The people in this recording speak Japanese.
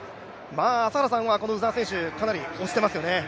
朝原さんはこの鵜澤選手、かなり推してますよね。